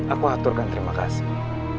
aku aturkan terima kasih